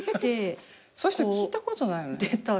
そういう人聞いたことないよね。